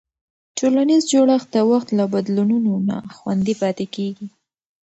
ټولنیز جوړښت د وخت له بدلونونو نه خوندي پاتې کېږي.